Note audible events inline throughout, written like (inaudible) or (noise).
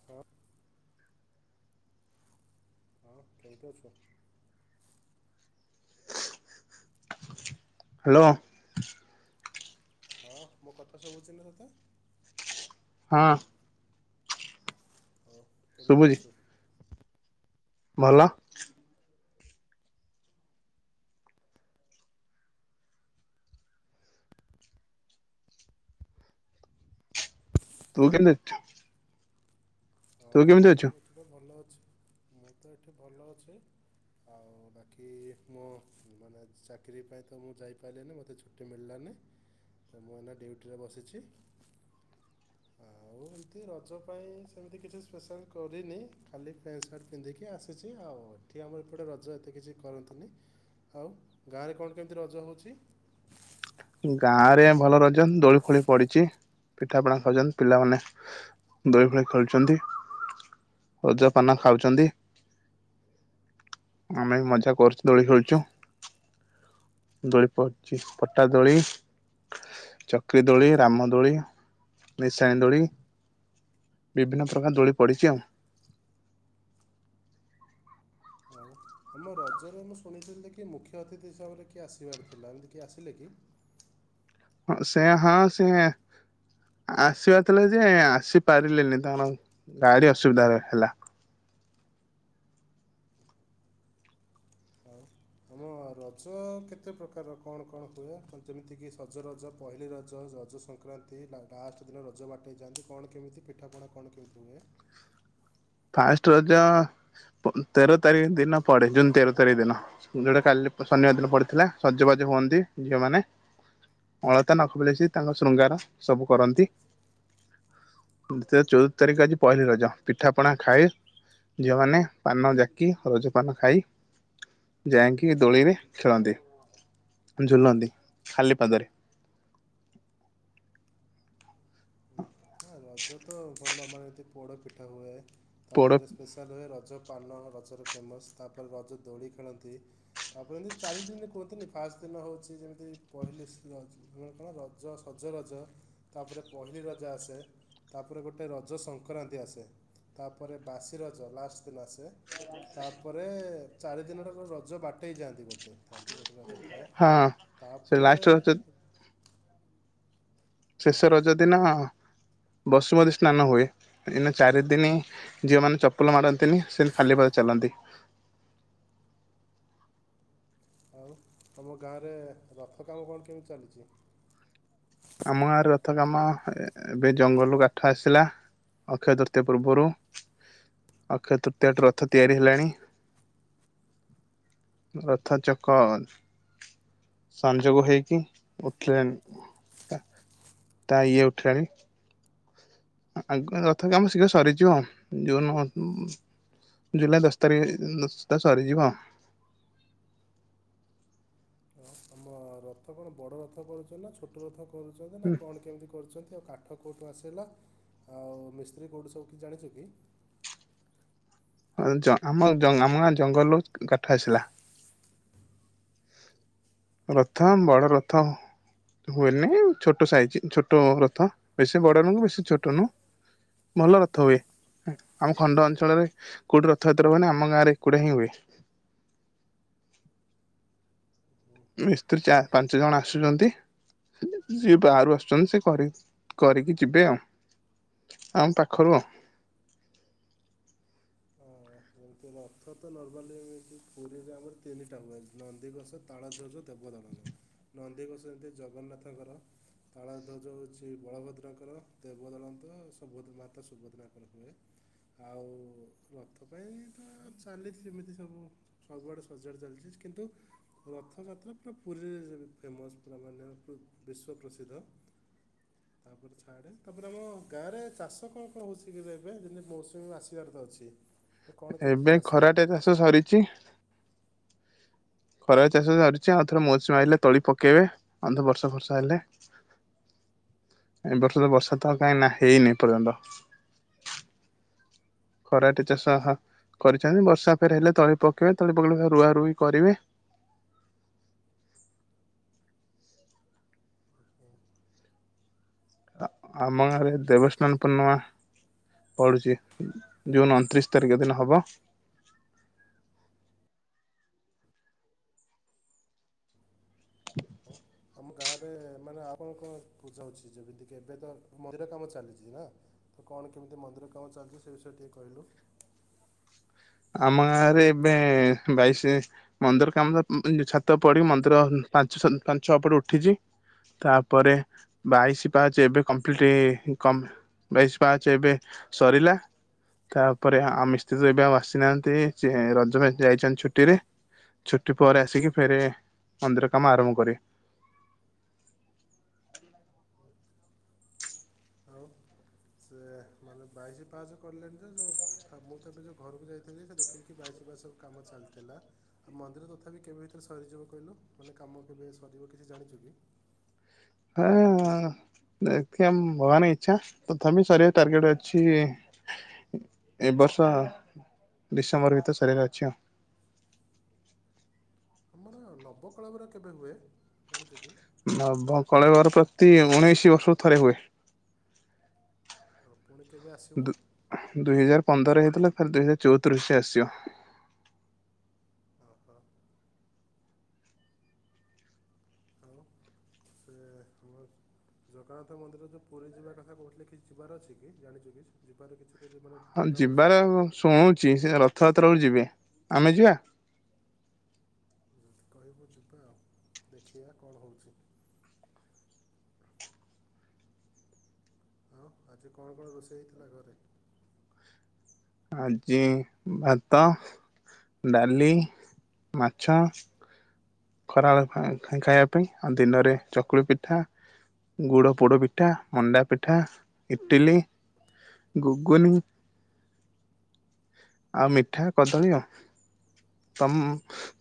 (inaudible) ହ କେମିତି ଅଛୁ। ହ୍ୟାଲୋ। ଅ ମୋ କଥା ସୁବୁଚି ନା ତୋତେ। ହଁ। ଓଃ କେମିତି ଶୁଭୁଛି ଅଛୁ। ଭଲ। ତୁ କେମିତି ଛୁ। ତୁ ହଁ କେମିତି ଅଛୁ। ମୁଁ ଭଲ ଅଛି ମୁଁ ତ ଏଠି ଭଲ ଅଛି। ଆଉ ବାକି ମୋ ମାନେ ଚାକିରି ପାଇଁ ତ ମୁଁ ଯାଇପାରିଲିନି ମୋତେ ଛୁ ଟି ମିଳିଲାନି ତ ମୁଁ ଏନା ଡ୍ୟୁଟିରେ ବସିଛି। ଆଉ ଏମିତି ରଜ ପାଇଁ ସେମିତି କିଛି ସ୍ପେଶାଲ କରିନି ଖାଲି ପେଣ୍ଟ ସାର୍ଟ ପିନ୍ଧିକି ଆସୂଚି ଆଉ ଏଠି ଆମର ଏପଟେ ରଜ ଏତେ କିଛି କରନ୍ତିନି। ଆଉ ଗାଁରେ କଣ କେମିତି ରଜ ହୋଉଛି। ଗାଁ ରେ ଭଲ ରଜନ୍ ଦୋଳି ଫୋଳି ପଡିଛି। (inaudible) ପିଠା ପଣା ଖାଚନ୍ ପିଲାମାନେ ଦୋଳି ଫଳି ଖେଳୁଛନ୍ତି ରଜ ପାନ ଖାଉଛନ୍ତି। ଆମେ ବି ମଜା କରୁଛୁ ଦୋଳି ଖେଳୁଛୁ। ଦୋଳି ପଡଛି ପଟା ଦୋଳି ଚକ୍ରି ଦୋଳି ରାମ ଦୋଳି ନିଶଣି ଦୋଳି ବିଭିନ୍ନ ପ୍ରକାର ଦୋଳି ପଡିଛି ଆଉ। ଆଉ। ଆମ ରଜରେ ମୁଁ ଶୁଣିି ଥିଲି କି ମୁଖ୍ୟ ଅତିଥି ହିସାବରେ କିଏ ଆସିବାର ଥିଲା ଏମିତି କିଏ ଆସିଲେ କି? ହଁ ସେ ହଁ ସେ ଆସିବାର ଥିଲା ଯେ ଆସିପାରିଲେନି ତାର ଗାଡି ଅସୁବିଧା ରେ ହେଲା। ହଉ। ଆମ ରଜ କେତେ ପ୍ରକାର କଣ କଣ ହୁଏ ଯେମିତିକି ସଜ ରଜ ପହିଲି ରଜ ରଜ ସଂଖ ସଂକ୍ରାନ୍ତି ନା ଲାଷ୍ଟ ଦିନ ରଜ ବାଟେଇ ହେଯାଆନ୍ତି କଣ କେମିତି ପିଠାପଣା କଣ କେମିତି ହୁଏ। ଫାଷ୍ଟ ରଜ ପ ତେର ତାରିଖ ଦିନ ପଡେ ଜୁନ ତେର ତାରିଖ ଦିନ। ଯଉଟା କାଲି ଶନିବାର ଦିନ ପଡିଥିଲା ସଜବାଜ ହୁଅନ୍ତି ଝିଅ ମାନେ। ଅଳତା ନଖବାଲିସି ତାଙ୍କ ଶୃଙ୍ଗାର ସବୁ କରନ୍ତି। ତେର ଚଉଦ ତାରିଖ ଆଜି ପହିଲି ରଜ ପିଠା ପଣା ଖାଏ ଝିଅମାନେ ପାନ ଜାକି ରଜ ପାନ ଖାଇ ଚ ଯାଇକି ଦୋଳିରେ ଖେଳନ୍ତି ଝୁଲନ୍ତି ଖାଲି ପାଦରେ। (unintelligible) ନା ରଜ ତ ଭଲ ମାନନ୍ତି ପୋଡ଼ ପିଠା ହୁଏ ପୋଡ ତାପରେ ସ୍ପେସା (unintelligible) ରଜ ପାନ ରଜରେ ଫେମସ୍ ତା ପରେ ରଜ ଦୋଳି ଖେଳନ୍ତି। ତାପରେ ଏମିତି ଚାରି ଦିନ କୁହନ୍ତିନି ଫାଷ୍ଟ ଦିନ ହେଉଛି ଯେମିତି ପହିଲି ସି ରଜ। (unintelligible) ରଜ ସଜ ରଜ ତାପରେ ପହିଲି ରଜ ଆସେ। ତାପରେ ଗୋଟେ ରଜ ସଂକ୍ରାନ୍ତି ଆସେ ତାପରେ ବାସି ରଜ ଲାଷ୍ଟ ଦିନ ଆସେ ହୁଏ ତାପରେ ଚାରିଦିନଠାରୁ ରଜ ବାଟେଇଯାଆନ୍ତି ଗୋଟେ। ଥାନ୍ତି ଗୋଟେ ରଜ ଥାଏ ହଁ ସେ ତାପରେ ଲାଷ୍ଟ ରଜ ହଁ ଶେଷ ରଜ ଦିନ ତ ବସୁମତୀ ସ୍ନାନ ହୁଏ ଏଇନା ଚାରି ଦିନି ଝିଅମାନେ ଚପଲ ମାଡ଼ନ୍ତିନି ସେନ୍ତି ଖାଲି ପା ଚାଲନ୍ତି। ଆଉ ତମ ଗାଁରେ ରଥ କାମ କଣ କେମିତି ଚାଲିଚି? ଆମ ଗାଁରେ ରଥ କାମ ଏ ଏବେ ଜଙ୍ଗଲରୁୁ କାଠ ଆସିଲା। ଅକ୍ଷୟ ତୃତୀୟ ପୂର୍ବରୁ। ଅକ୍ଷୟ ତୃତୀୟଟୁ ରଥ ତିଆରି ହେଲାଣି। ରଥ ଚକ ସଂଯୋଗ ହେଇକି ଉଥିଲାନି। ତା ତା ଇଏ ଉଠିଲାଣି। ଆ ଆଗ ରଥ କାମ ଶୀଘ୍ର ସରିଯିବ। ଜୁନ ଉଁ ଜୁଲାଇ ଦଶ ତାରି ନ ସୁଧା ସରିଯିବ। ହଁ ଆମ ରଥ କଣ ବଡ଼ ରଥ କରୁଚନ୍ତି ନାଁ ଛୋଟ ରଥ କରୁଚନ୍ତି ନାଁ କଣ କେମିତି କରୁଚନ୍ତି। ତ କାଠ କୋଉଠୁ ଆସିଲା ଆଉ ମିସ୍ତ୍ରୀ କୋଉଠୁ ସବୁ କିଛି ଜାଣିଚ କି? ହଁ ଜ ଆମ ଜ ଆମ ଗାଁ ଜଙ୍ଗଲରୁ କାଠ ଆସିଲା। ରଥ ଅମ୍ ବଡ଼ ରଥ। ହୁଏନେଇ ଛୋଟ ସାଇଜି ଛୋଟ ରଥ ବେଶୀ ବଡ଼ ନୁହଁ ବେଶୀ ଛୋଟ ନୁହଁ। ଭଲ ରଥ ହୁଏ। ଏଁ ଆମ ଖଣ୍ଡ ଅଞ୍ଚଳରେ କୋଉଠି ରଥଯାତ୍ରା ହୁଏନି ଆମ ଗାଁରେ ଏକୁଟିଆ ହିଁ ହୁଏ। ମିସ୍ତ୍ରୀ ଚା ପାଞ୍ଚ ଜଣ ଆସୁଚନ୍ତି। ହେଲେ ଯିଏ ବାହାରୁ ଆସୁଚନ୍ତି ସେ କରି କରିକି ଯିବେ ଆଉ। ଆମ ପାଖରୁ ଆଉ। ଉଁ ତୁ ରଥ ତ ନର୍ମାଲି ଏମତି ପୁରୀରେ ଆମର ତିନିଟା ହୁଏ ନନ୍ଦିଘୋଷ ତାଳଧ୍ବଜ ଦେବଦଳନ ନନ୍ଦିଘୋଷ ଏମିତି ଜଗନ୍ନାଥଙ୍କର। ତାଳଧ୍ୱଜ ହୋଉଚି ବଳଭଦ୍ରଙ୍କର ଦେବଦଳନ ତ ସୁଭଦ୍ର ମାତା ସୁଭଦ୍ରାଙ୍କର ହୁଏ। ଆଉ ରଥ ପାଇଁ ତ ଚାଲିଚି ସେମିତି ସବୁ ସବୁଆଡ଼େ ସଜଡ଼ ଚାଲିଚି କିନ୍ତୁ ରଥଯାତ୍ରା ପୁରା ପୁରୀରେ ଯେବେ ଫେମସ୍ ପୁରା ମାନେ ପ୍ରୁ ବିଶ୍ଵ ପ୍ରସିଦ୍ଧ। ତାପରେ ଛାଡ଼େ ତାପରେ ଆମ ଗାଁରେ ଚାଷ କଣ କଣ ହଉଛି କିରେ ଏବେ ଯେମିତି ମୌସୁମୀ ଆସିବାର ତ ଅଛି। ତ କ'ଣ କେମିତି ଏବେ ଚାଷ ଖରାଟିଆ ହେବାର ଚାଷ ଅଛି ସରିଚି। ଖରା ଚାଷ ସରିଚି ଆଉ ଥରେ ମୌସୁମୀ ଆଇଲେ ତଳି ପକେଇବେ ଅନ୍ଧ ବର୍ଷା ଫର୍ଷା ହେଲେ। ଏଁ ବର୍ଷ ବର୍ଷା ତ କାଇଁ ନାଁ ହେଇନି ଏ ପର୍ଯ୍ୟନ୍ତ। ଖରାଟି ଚାଷ ହଁ କରିଛନ୍ତି ବର୍ଷା ଫେରେ ହେଲେ ତଳି ପକେଇବେ ତଳି ପକେଇଲେ ହେ ରୁଆ ରୁଇ କରିବେ। ଉଁ ହୁଁ। ଆ ଆମ ତାପରେ ଗାଁରେ ଦେବ ସାନ୍ ପୂର୍ଣ୍ଣମା ପଡ଼ୁଚି ଜୁନ ଅଂତ୍ରିଶ ତାରିକ ଦିନ ହବ। ଓ ତମ ଗାଁରେ ମାନେ ଆଉ କଣ କଣ ପୂଜା ହୋଉଛି ଯେମିତିକି ଏବେ ତ ମନ୍ଦିର କାମ ଚାଲିଚି, ନାଁ? ତ କଣ କେମିତି ମନ୍ଦିର କାମ ଚାଲିଚି ସେ ବିଷୟ ଟିକେ କହିଲୁ। ଆମ ଗାଁରେ ଏବେ ବାଇଶି ମନ୍ଦିର କାମ ତ ଉଁ ଏଇ ଯୁ ଛାତ ପଡ଼ି ମନ୍ଦିର ପାଞ୍ଚ ଛ ପାଞ୍ଚ ଛଅ ଫୁଟ୍ ଉଠିଚି। ତାପରେ ବାଇଶି ପାହାଚ ଏବେ କମ୍ପ୍ଲିଟ୍ କ ବାଇଶି ପାହାଚ ଏବେ ସରିଲା ତାପରେ ଆ ମିସ୍ତ୍ରୀ ତ ଏବେ ଆଉ ଆସ୍ ଏ ନାହାନ୍ତି ଚିଏ ରଜ ପାଇଁ ଯାଇଚନ୍ତି ଛୁଟିରେ। ଛୁଟି ପରେ ଆସିକି ଫେରେ ମନ୍ଦିର କାମ ଆରମ୍ଭ କରିବେ। ଆଉ ସେ ମାନେ ବାଇଶ ପାହାଚ କଲେଣି ତ ସ ମୁଁ ତ ଏବେ ଯୋଉ ଘରକୁ ଯାଇଥିଲି ସେ ଦେଖିଲି କି ବାଇସି ପାହାଚ ସବୁ କାମ ଚାଲିଥିଲା। ଆଉ ମନ୍ଦିର ତଥାପି କେବେ ଭିତରେ ସରିଯିବ କହିଲୁ? ମାନେ କାମ କେବେ ସରିିବ କିଛି ଜାଣିଛୁ କି? ଆଁ ଦେଖିଆ ଭଗବାନ ଇଚ୍ଛା। ତଥାପି ସରିବାର ଟାର୍ଗେଟ ଅଛି। ଏ ବର୍ଷ ଡିସେମ୍ବର ଭିତରେ ସରିବାର ଅଛି ଆଉ। ହ ନବକଳେବର କେବେ ହୁଏ ଜାଣିଛୁ କି? ନବକଳେବର ପ୍ରତି ଉଣେଇଶି ବର୍ଷରୁ ଥରେ ହୁଏ। ପୁଣି କେବେ ଆସିବ? ଦୁ ଦୁଇ ହଜାର ପନ୍ଦରରେ ହେଇଥିଲା। ଫେରେ ଦୁଇ ହଜାର ଚଉତିରିଶରେ ଆସିବ। ଓ ହୋ। ଆଉ ସେ ଆମର ଜଗନ୍ନାଥ ମନ୍ଦିର ଯୋଉ ପୁରୀ ଯିବା କଥା କହୁଥିଲେ କି ଯିବାର ଅଛି କି ଜାଣିଛୁ କି? ଯିବାର କିଛି ତ ମାନେ ହଁ ପ୍ରୋଗ୍ରାମ୍ ଅଛି ଯିବାର କି ଶୁଣୁଛି। ସେ ରଥଯାତ୍ରା କୁ ଯିବେ ଆମେ ଯିବା। କହିବୁ ଯିବା ଆଉ ଦେଖିବା କଣ ହଉଛି। ଆଉ ଆଜି କଣ କଣ ରୋଷେଇ ହେଇଥିଲା ଘରେ? ଆଜି ଭାତ ଡାଲି ମାଛ। ଖରାବେଳେ ପାଇଁ ଖାଇବା ପାଇଁ। ଆଉ ଦିନରେ ଚକୁଳି ପିଠା। ଗୁଡ ପୋଡ ପିଠା, ମଣ୍ଡା ପିଠା, ଇଟିଲି, ଗୁଗୁନି। ଆଉ ମିଠା କଦଳୀ ଆଉ। ତମ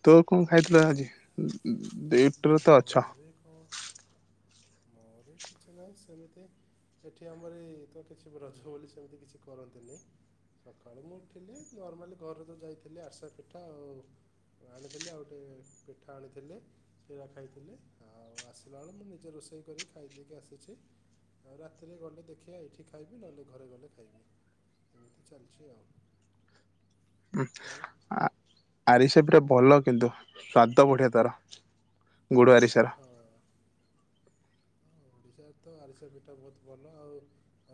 ତୋ କଣ ଖାଇଥିଲୁ ଆଜି? ଉଁ ଡିଉଟିରେ ତ ଅଛ। ଦେଖୋ। ମୋରି କିଛି ନାହିଁ ସେମିତି। ଏଠି ଆମର ଏହି ତ କିଛି ବ୍ରଜ ବୋଲି ସେମିତି କିଛି କରନ୍ତିନି। ସକାଳୁ ମୁଁ ଉଠିଲି ନର୍ମାଲି ଘରେ ତ ଯାଇଥିଲି ଆରସା ପିଠା ଆଉ। ଆଣିଥିଲି ଆଉ ଗୋଟେ ପିଠା ଆଣିଥିଲି। କ୍ଷୀର ଖାଇଥିଲି ଆଉ ଆସିଲା ବେଳେ ମୁଁ ନିଜେ ରୋଷେଇ କରି ଖାଇ ଦେଇକି ଆସିଛି। ଆଉ ରାତିରେ ଗଲେ ଦେଖିବା ଏଇଠି ଖାଇବି ନହେଲେ ଘରେ ଗଲେ ଖାଇବି। ଏମିତି ଚାଲିଚି ଆଉ। ଉଁ ଆଉ ଆ ଆରିସା ପିଠା ଭଲ କିନ୍ତୁ ସ୍ୱାଦ ବଢିଆ ତାର ଗୁଡ ଆରିସାର। ହଁ ଓଡ଼ିଶାରେ ତ ଆରିସା ପିଠା ବହୁତ ଭଲ ଆଉ।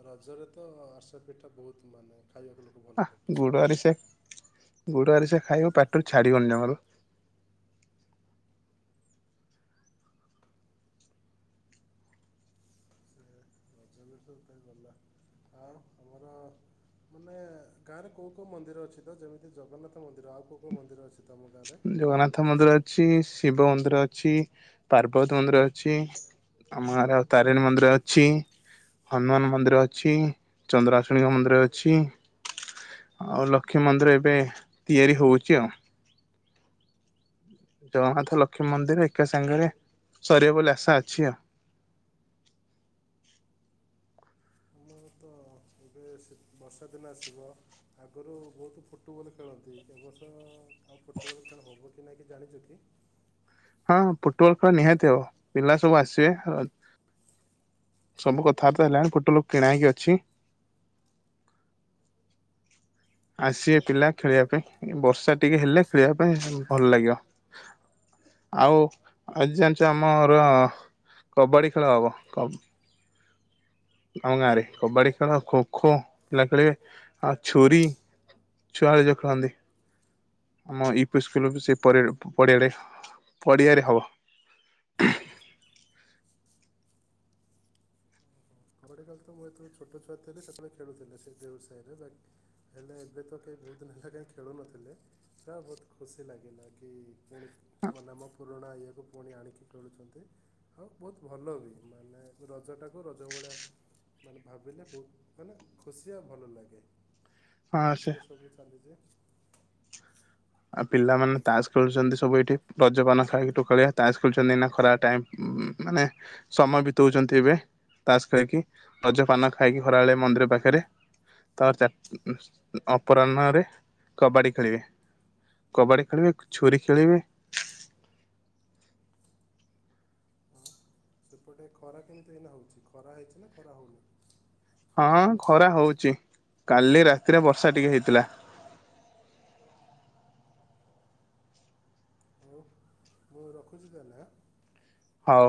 ରଜରେ ତ ଆରିସା ପିଠା ବହୁତ ମାନେ ଖାଇବାକୁ ଲୋକ ଭଲ ପସନ୍ଦ କରନ୍ତି। ଗୁଡ଼ ଆରିସା ଖାଇବ ପାଟିରୁ ଛାଡିବନି ଜମାରୁ। ସେ ରଜବିଶ୍ୱାସ ପାଇଁ ଗଲା। ଆଉ ଆମର ମାନେ ଗାଁ ରେ କୋଉ କୋଉ ମନ୍ଦିର ଅଛି ତ? ଯେମିତି ଜଗନ୍ନାଥ ମନ୍ଦିର ଆଉ କୋଉ କୋଉ ମନ୍ଦିର ଅଛି? ତମ ଗାଁରେ ଜଗନ୍ନାଥ ମନ୍ଦିର ଅଛି। ଶିବ ମନ୍ଦିର ଅଛି। ପାର୍ବତୀ ମନ୍ଦିର ଅଛି। ଆମ ଗାଁ ରେ ଆଉ ତାରିଣୀ ମନ୍ଦିର ଅଛି। ହନୁମାନ ମନ୍ଦିର ଅଛି। ଚନ୍ଦ୍ରାଶୁଣୀଙ୍କ ମନ୍ଦିର ଅଛି। ଆଉ ଲକ୍ଷ୍ମୀ ମନ୍ଦିର ଏବେ ତିଆରି ହଉଛି ଆଉ। ଜଗନ୍ନାଥ ଲକ୍ଷ୍ମୀ ମନ୍ଦିର ଏକା ସାଙ୍ଗେରେ ସରିବ ବୋଲି ଆଶା ଅଛି ଆଉ। ମୁଁ ତ ଏବେ ସି ବର୍ଷା ଦିନ ଆସିବ। ଆଗରୁ ବହୁତ ଫୁଟବଲ୍ ଖେଳନ୍ତି। ଏ ବର୍ଷ ଅ ଆଉ ଫୁଟବଲ୍ ଖେଳ ହବ କି ନାହିଁ କି ଜାଣିଚ କି? ହଁ ଫୁଟବଲ ଖେଳ ନିହାତି ହବ। ପିଲା ସବୁ ଆସିବେ ହେଲା। ସବୁ କଥାବାର୍ତା ହେଲାଣି ଫୁଟବଲ୍ କିଣା ହେଇକି ଅଛି। ଆସିବେ ପିଲା ଖେଳିବା ପାଇଁ ବର୍ଷା ଟିକେ ହେଲେ ଖେଳିବା ପାଇଁ ଭଲ ଲାଗିବ। ଆଉ ଆଜି ଜାଣିଛ ଆମର କବାଡି ଖେଳ ହବ କବ୍ ଆମ ଗାଁରେ କବାଡି ଖେଳ ଖୋଖୋ ପିଲା ଖେଳିବେ ଆଉ ଛୁରୀ ଛୁଆ ଘରିକା ଯୋଉ ଖେଳନ୍ତି ଆମ ୟୁପି ସ୍କୁଲ ବି ସିଏ ପରେ ପ ପଡିଆ ଆଡେ। ପଡିଆରେ ହବ। କବାଡି ଖେଳ ତ ମୁଁ ଯେତେବେଳେ ଛୋଟ ଛୁଆ ଥେଲି ସେତବେଳେ ଖେଳୁଥେଲି ସେ ଦେଉରୁ ସାଇରେ ବାକ୍ ହେଲେ ଏବେ ତ କେହି ବୋହୁତ ଦିନ ହେଲା କାଇଁ ଖେଳୁ ନଥିଲେ ତ ବୋହୁତ ଖୁସି ଲାଗିଲା କି ପୁଣି ମୋ ନାମ ପୁରୁଣା ଇଏ କୁ ଫୁଣି ଆଣିକି ଖେଳୁଛନ୍ତି ଆଉ ବୋହୁତ ଭଲ ବି ମାନେ ରଜଟାକୁ ରଜ ଭଳିଆ ମାନେ ଭାବିଲେ ବୋହୁତ ମାନେ ଖୁସି ଆଉ ଭଲ ଲାଗେ। ହଁ ସେ ଏମିତି ତ ସବୁ ଚାଲିଚି। ଆଉ ପିଲାମାନେ ତାସ୍ ଖେଳୁଛନ୍ତି ସବୁ ଏଠି ରଜପାନ ଖାଇକି ଟୋକାଳିଆ ତାସ୍ ଖେଳୁଛନ୍ତି ଏଇନା ଖରା ଟାଇମ୍। ଉଁ ମାନେ ସମୟ ବିତଉଛନ୍ତି ଏବେ ତାସ ଖେଳିକି ରଜ ପାନ ଖାଇକି ଖରାବେଳେ ମନ୍ଦିର ପାଖେରେ। ତାପରେ ଚାର୍ ଉଁ ଉଁ ଅପରାହ୍ନରେ କବାଡି ଖେଳିବେ। କବାଡି ଖେଳିବେ କୁ ଛୁରୀ ଖେଳିବେ। ଆଉ ସେପଟେ ଖରା କେମିତି ଏଇନା ହଉଚି ଖରା ହେଇଛି ନା ଖରା ହଉନି। ହଁ ଖରା ହଉଚି କାଲି ରାତିରେ ବର୍ଷା ଟିକେ ହେଇଥିଲା। ହଉ ମୁଁ ରଖୁଛି ତାହେଲେ ହାଁ। ହଉ।